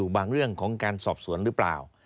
บางเรื่องของการสอบสวนหรือเปล่า